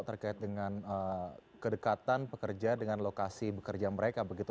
terkait dengan kedekatan pekerja dengan lokasi bekerja mereka begitu